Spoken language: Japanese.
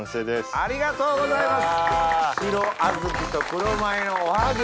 ありがとうございます。